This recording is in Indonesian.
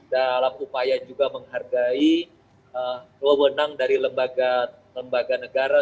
dalam upaya juga menghargai kewenangan dari lembaga lembaga negara